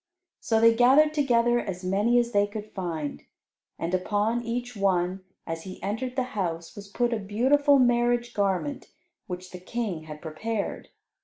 So they gathered together as many as they could find. And upon each one, as he entered the house, was put a beautiful marriage garment, which the King had prepared.